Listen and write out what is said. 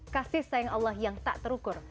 kasih sayang allah yang tak terukur